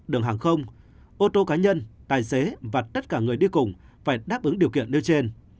đường hàng không ô tô cá nhân tài xế và tất cả người đi cùng phải đáp ứng điều kiện nêu trên